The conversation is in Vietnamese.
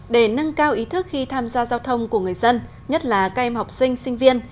để nâng cao ý thức khi tham gia giao thông của người dân nhất là các em học sinh sinh viên